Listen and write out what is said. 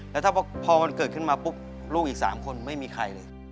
แล้วถ้าพอมันเกิดขึ้นมาปุ๊บลูกอีก๓คนไม่มีใครเลย